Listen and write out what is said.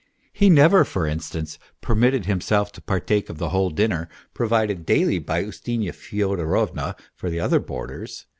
He never, for instance, permitted himself to partake of the whole dinner, provided daily by Us tiny a Fyodorovna for the other boarders.